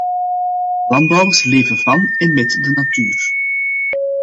Landbouwers leven van en met de natuur.